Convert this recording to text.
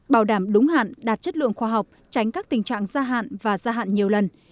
bảo đảm đúng hạn đạt chất lượng khoa học tránh các tình trạng gia hạn và gia hạn nhiều lần